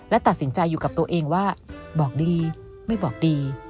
และตัดสินใจอยู่กับตัวเองว่าบอกดีไม่บอกดี